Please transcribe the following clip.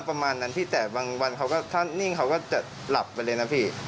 ประมาณนั้นพี่แต่บางวันเขาก็ถ้านิ่งเขาก็จะหลับไปเลยนะพี่